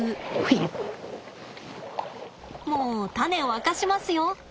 もう種を明かしますよ！